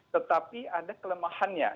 tetapi ada kelemahannya